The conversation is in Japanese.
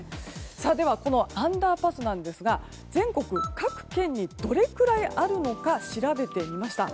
では、アンダーパスなんですが全国各県にどれくらいあるのか調べてみました。